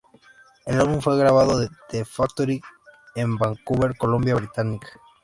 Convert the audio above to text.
El álbum fue grabado en The Factory en Vancouver, Columbia Británica.